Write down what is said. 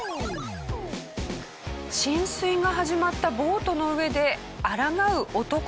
浸水が始まったボートの上であらがう男たち。